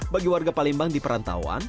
bagi warga palembang di perantauan